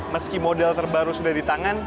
meski model terbaru sudah di tangan